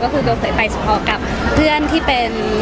ก็คือเบลเคยไปเฉพาะกับเพื่อนที่เป็น